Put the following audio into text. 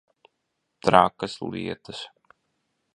Trakas lietas.